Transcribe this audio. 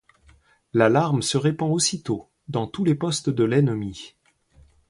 L'alarme se répand aussitôt dans tous les postes de l'ennemi.